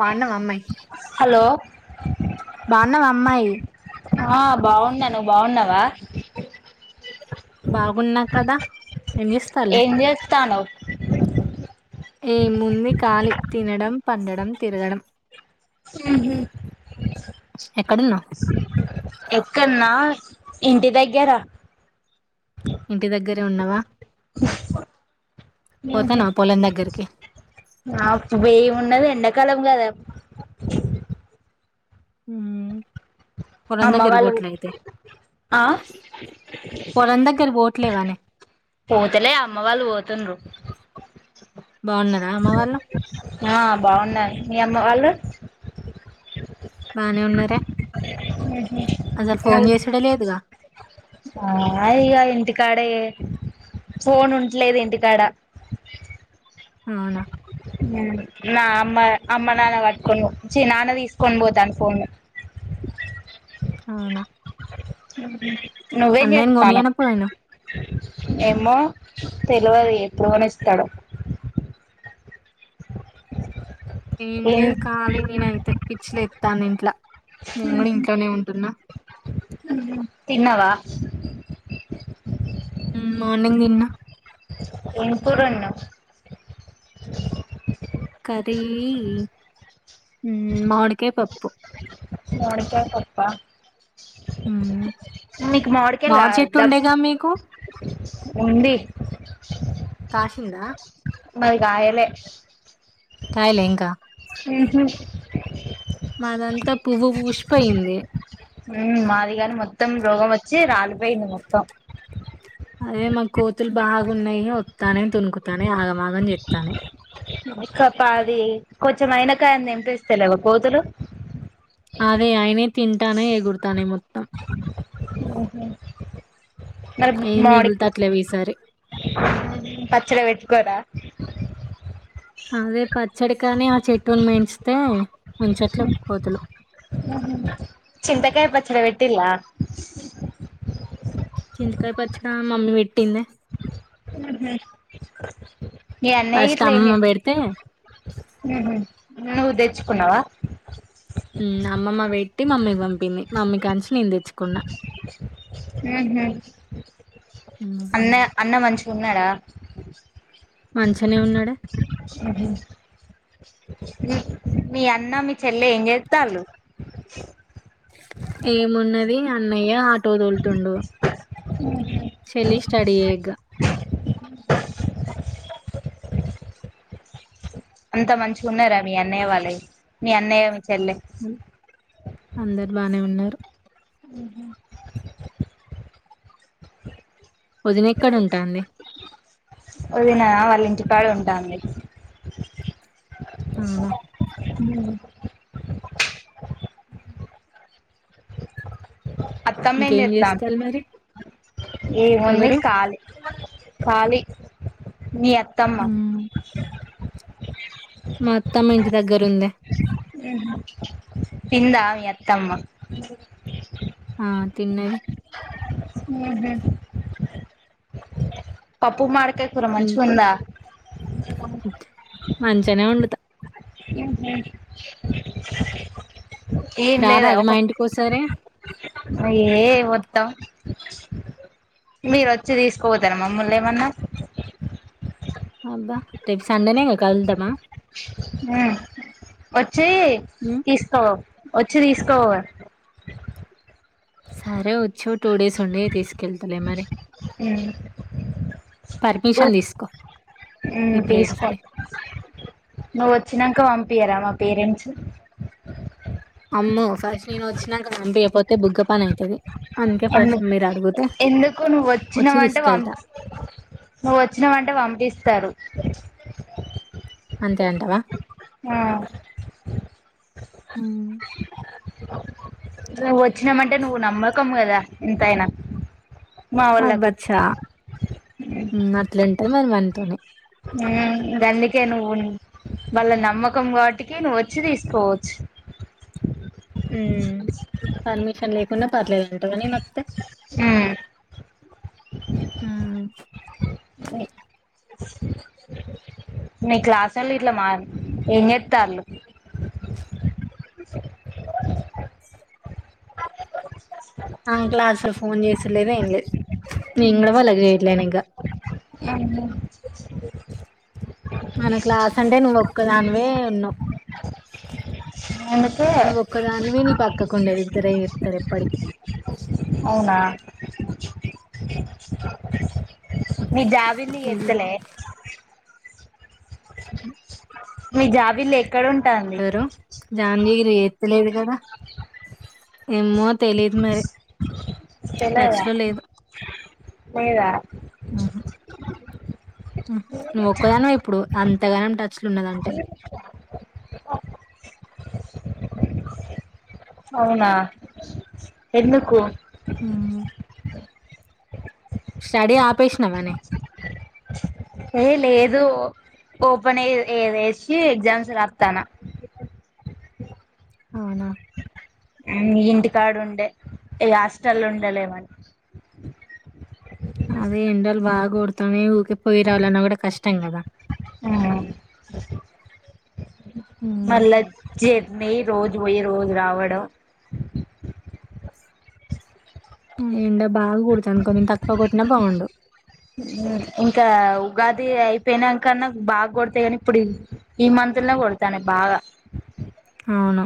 బాన్నావా అమ్మాయి హలో బాన్నావా అమ్మాయి ఆ బాగున్నా నువ్ బాగున్నావా బాగున్నా కదా ఏం చేస్తాళ్ళు ఏం చేస్తాన్నవ్ ఏముంది కాలి తినడం పండడం తిరగడం మ్మ్ ఉహ్మ్ ఎక్కడున్నవ్ ఎక్కన్నా ఇంటి దగ్గెరా ఇంటి దగ్గరే ఉన్నవా మ్మ్ ఉమ్మ్ నాక్ బెవ్ ఉన్నది ఎండ కాలం గాదా మ్మ్మ్ అమ్మవాళ్ళు ఆ పొలం దగ్గర పోట్లేవానే పోతలే అమ్మ వాళ్ళు పోతుండ్రు బాగున్నారా అమ్మ వాళ్ళు ఆ బాగున్నా మీ అమ్మ వాళ్ళు బానే ఉన్నరే అసలు ఫోన్ చేసుడే లేదుగా ఆ ఇగ ఇంటి కాడే ఫోన్ ఉంట్లేద్ ఇంటికాడ అవునా నా అమ్మ అమ్మ నాన్న పట్టుకొని చ్చి నాన్న తీసుకొన్ పోతండు ఫోను అవునా నువేమ్ అన్నయ్యని చేత్తనవ్ కొనియనపోయాను ఏమ్మో తెలువది ఎప్పుడుకొనిస్తాడో ఏం లేదు కాలి నేనైతే పిచ్చిలేత్తంది ఇంట్ల నేన్ గూడా ఇంట్లనే ఉంటున్నా మ్మ్ ఉహ్మ్ తిన్నవా మ్మ్ మార్నింగ్ తిన్న ఏం కూర వొండినావ్ ఉమ్మ్ మామిడికాయ పప్పు మామిడికాయ పప్ప ఉమ్, మీకు మావిడికయల్ ఆ మామిడి చెట్టు దబ్ ఉండేగా మీకు ఉంది కాసిందా మాది గాయలే కాయలే ఇంకా మ్మ్ మాదంతా పువ్వు పూసిపోయింది ఉహ్మ్ ఉమా మాది కానీ మొత్తం రోగం వచ్చి రాాల అరే మా కోతులు బాగా ఉన్నాయయి వస్తానని తుణుకుతానే ఆగమాగం చెతాను కాపా అది కొంచెం అయినా కాయంది ఎంపి ఇస్తేలేో కోతులు అదే ఆయనే తింటానే ఎగురుతానే మొత్తం ఓహ మరి ఏం మడి మిగులుతట్లేవు ఈసారి పచ్చడి వట్కోరా అదే పచ్చడి కానీ ఆ చెట్టుని మేయించితే ఉంచట్లే కోతులు చింతకాయ పచ్చడి పెట్టిలా చింతకాయ పచ్చడి మమ్మీ పెట్టింది మీ అన్నయ ఫస్ట్ ఇట్లా ఇ అమ్మమ్మ పెడితే నువ్వు తెచ్చుకున్నావా ట్టి మమ్మీకి పంపింది మమ్మీ కాంచి నేను తెచ్చుకున్నా ఉమ్, అన్న అన్న మంచిగా ఉన్నాడా మంచనే ఉన్నాడా అ మీ అన్న మీ చెల్లె ఏం చేస్త వాళ్ళు ఏమున్నది అన్నయ్య టో తోల్తుండ చెల్లి స్టడీ చేయగా [inaudible] [inaudible] అంతా మంచిగా ఉన్నారా మీ అన్నయ్య వాళ్ళవి మీ అన్నయ్య మీ చెల్లె అందరు బానే ఉన్నారు [unintelligible] వదిన ఎక్కడ ఉంటాంది క్కడు ఉంటాంది అవునా ఉ అత్తమ్మ ఇంకేం ఎత్తా చేస్తారు మరి ఏముంది ఎవరు? ఖళీ ఖళీ మీ అత్తమ్మ మొత్తం ఇంటి దగ్గరు ఉంది తిన్నదా మత్తమ్మ ఆ తిన్నవి హ పప్పు మకా కురా మంచి ఇంకా ఉందా అంచనే ఉండుతా [unintelligible] ఏం లేదా రారాదు ఒక మా ఇంటికోసారి ఏ వద్దాం మీరు వచ్చి తీసుకోతారా మమ్మల్ని ఏమన్నా అబ్బా ర సండనే క వచ్చి హ్మ్ తీసుకో వచ్చి తీసుకోవ సరే వచ్చు టూ డేస్ ఉండి తీసుకెళ్తలే మరి అ ఓ పర్మిషన్ తీసుకో మీ తీసుకో పేరెంట్స్ది నువ్వ వచ్చాక పంపయరా మా పేరెంట్స్ అమ్మో ఫస్ట్ నను వచ్చినాక చంపయపోతే బుగ్గ పని అవుతుది అందు ఎందుకు నువ్వు వచ్చి వచ్చినావంటే పం తీసుకెళ్తా నువ్వు వచ్చినవ అంటే పంపిస్తారు అంతే అంటావా ఆ ఉ నువ్వు వచ్చినామంటే నువ్వు నమ్మకం కదా ఎంతయినా అబ్బాచ్చా ఉ అట్లంటది మరి మనతోనే ఉ గందుకే నువు ఉన్ వాళ్ళ నమ్మకం కావటికే నువ్వు వచ్చి తీసుకోవచ్చు ఉ పర్మిషన్ లేకుండా పర్లేదు అంటావా నేను వత్తే ఉ ఉ నీ క్లాస్ వోల్లు ఇట్లా మ ఏం చేస్తాళ్ళు అంకులా అసలు ఫోన్ చేసూడులేదు ఏం లేదు నేను కూడా వాళ్లకు చేయట్లేను ఇంకా ఏం లే మన క్లాస్ అంటే నువ్వు ఒక్క దానివే ఉన్నావు అందుకే నువ్వు ఒక్కదానివి నీ పక్కకుండేది ఇద్దరే ఇస్తారు ఎప్పటికి అవునా మీ జాబిల్లీ హ్మ్. ఎతలే అ మీ జాబిల్లి ఎక్కడ ఉంటాంది జాన్జగిరి ఎత్తలేదు కదా ఏమో తెలిదు మరి తెలువదా టచ్‌లో లేదు. లేదా ఉ నువ్వు ఒక్కదానివే ఇప్పుడు అంతగానం ట లేపుతా అవునా ఎందుకు ఉ స్టడీ ఆపేసినవనే ఏ లేదు ఓపెన్ ఏ వేసి ఎగ్జామ్స్ రాతానా అవునా ఉ మీ ఇంటికాడే ఉండే ఈ హాస్టల్ ఉండ లేమండి అదే ఎండలు బాగా కొడతనయ్ ఊకే పోయి రావాలన్నా కూడా కష్టం కదా ఆ ఉమ్. మళ్ళా జర్నీ రోజు పోయి రోజు రావడం ఉ ఎండ బాగా కొడుతాంది కొంచెం తక్కువ కొట్టినా బాగుండు ఇంకా ఉగాది అయిపోయినా కన్నా బాగా కొడతాయి కానీ ఇప్పుడు ఈ మంత్ ల్లే కొడుతాన్నాయ్ బాగా అవునా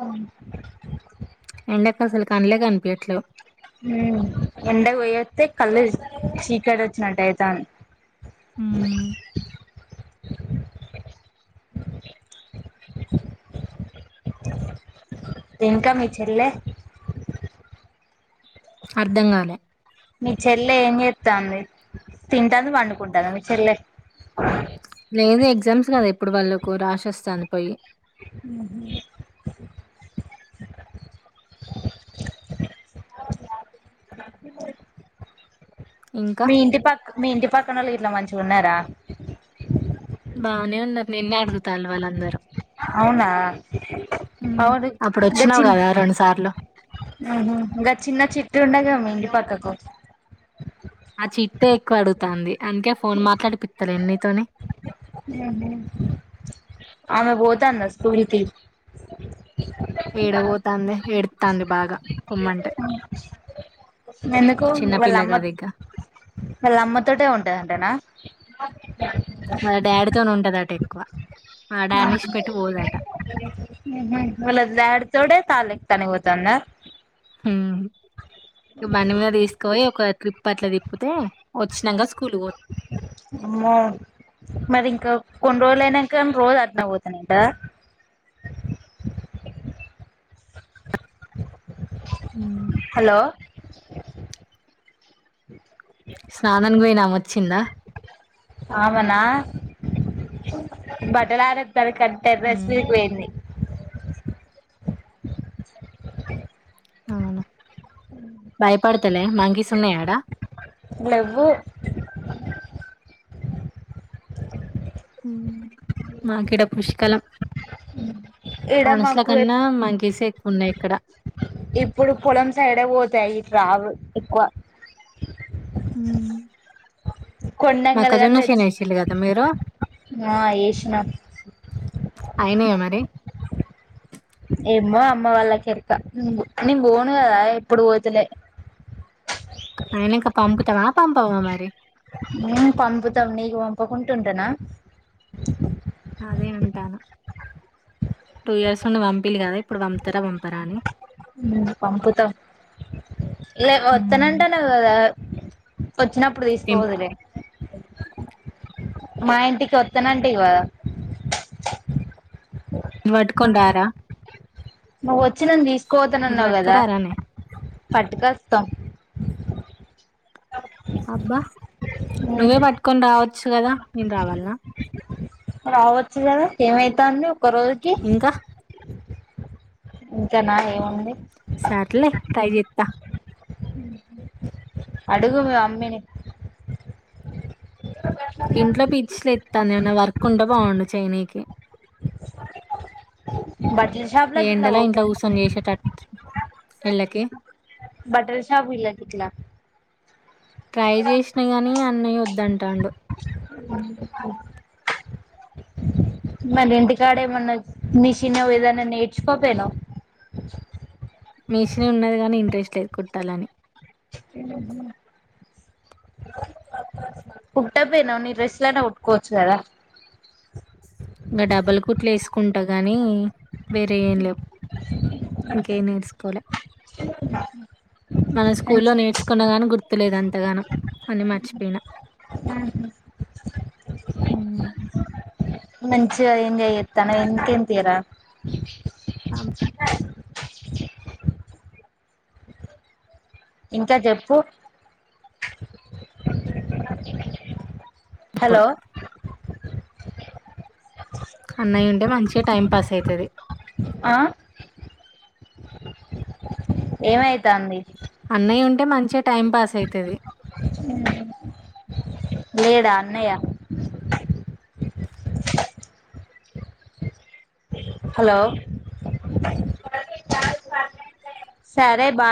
అవును ఎండక్ అసలు కండ్లే కనిపియట్లేవు ఉ ఎండకు పోయస్తే కళ్ళు చీకటి వచ్చినట్టు అయితాంది మ ఉమ్. ఇంకా మీ చెల్లె అర్ధం కాలే మీ చెల్లె ఏం చేస్తాంది తింటాంది పండుకుంటుంది మీ చెల్లె లేదు ఎగ్జామ్స్ కదా ఇప్పుడు వాళ్ళలకు రాసి వస్తాంది పోయి ఉహు ఇంకా మీ ఇంటి పక్క మీ ఇంటి పక్కన వాళ్ళు ఇట్లా మంచిగా ఉన్నారా బాగనే ఉన్నారు నిన్నే అడుగుతాళ్లు వాళ్ళందరూ అవునా ఉ అవును అప్పుడు వచ్చినావు కదా రెండు సార్లు ఇంకా చిన్న చిట్ ఉండగ మీ ఇంటి పక్కకు ఆ చిట్టే ఎక్కువ అడుగుతంది అందుకే ఫోన్ మాట్లాడి పత్తలు ఎన్నితోని హు హు అమె పోతంద స్కూలి కి ఏడబోతుంది ఏడుతాంది బాగా పోమ్మంటే ఎందుకు వాళ్ళ చిన్నపిల్ల అమ్మ గాద ఇంగ వాళ్ళ అమ్మతోటే ఉంటాదింటనా వాళ్ళ డాడీతోనే ఉంటది అట ఎక్కువ ఆ డానిష్ పెట్టి పోదట వాళ్ల డాడ్ తోడే [unintelligible] తనిపోతుంద బండి మీద తీసుకోపోయి ఒక ట్రిప్ అట్లా తిప్పితే వచ్చినాక స్కూల్ పో అమ్మో మరి ఇంకా కొన్ని రోజులు అయినాక రోజు అట్నే అయి పోతున్నాంట ఉ హలో స్నానానికినికి పోయినామే వచ్చిందా ఆమెనా [unintelligible] టెర్రెస్ హ్మ్. మీదకి పోయింది అవునా భయపడుతలే మంకీస్ ఉన్నాయ ఆడ లెవ్వు మాకి ఈడ పుష్కలం ఈడ మనసుల మాకు కన్నా మంకేసే స ఎక్కువ ఉన్నాయి ఇక్కడ ఇప్పుడు పొలం సైడే పోతాయి ఇట్ల రావు ఎక్కువ కొండంగలు మాక్కజొన్న గాని తెచ్చు [unintelligible] కదా మీరు ఆ వేసినా అయినయా మరి ఏమో అమ్మ వాళ్ళకి ఎరక నేను పోను కదా ఎప్పుడు పోతులే అయన ఇంకా పాంపుతవా పాంపవ మరి పోకుంటుంటనా అదే ఉంటాను టూ ఇయర్స్ నుండి పంపిలి కదా ఇప్పుడు పంపుతారా పంపరాా అని పంపుతా లే హ్మ్. వత్తనంట నవు నా కదా వచ్చినప్పుడు ఇం తీసుపోదులే మా ఇంటికి వస్తనంటే కదా [unintelligible] నువ్వు ఒచ్చి [unintelligible] కోతను మీరు ఉన్నావు కదా పట్టుకరారానే పట్టుక వస్తాం అబ్బా నువ్వే పట్టుకొని రావచ్చు కదా నేను రావాలన్న రావచ్చు కదా ఏమైంతాంది ఒక్క రోజుకి ఇంకా ఇంకానా ఏముంది సార్లే ట్రై చేస్త అడుగు మీ మమ్మీ ని ఇంట్లో పిచ్చి లేస్తుంది ఏమన్నా వర్క్ ఉంటే బాగుండు చైనీకి బట్టల షాప్ లోకి ఇట్లా ఎండలా పోకు ఇంట్లో ఊసం చేసేట ఇళ్ళకి [unintelligible] ట్రై చేసిన గాని అన్నయ వద్దంటాడు మన ఇంటికాడ ఏమన్నా నిసిన ఏదన్నా నేర్చుకోపోను మేష్నీ ఉన్నది గనీ ఇంట్రెస్ట్ లేదు కుట్టాలని [unintelligible] కుట్టపోయినవ్ నీ డ్రెస్లన్న గుట్కోవచ్చు గదా ఇంగ డబల్ కుట్లేసుకుంట గనీ వేరే ఏం లేవు. ఇంకేం నేర్చుకోలే మన స్కూల్లో మంచి నేర్చుకున్న గాని గుర్తులేదు అంతగనం అన్ని మర్చిపోయిన. హ్మ్ మంచిగ ఏంజాయిచ్చేత్తానవ్ ఇంకేంది తీయరాదు. అం ఇంకా చెప్పు హలో అప్పుడు అన్నయుంటే మంచిగ టైం పాస్ అయితది ఆ ఏమైతాంది అన్నయ్యుంటే మంచిగ టైం పాస్ అయితది. లేడా అన్నయ్య హలో సరే బాయ్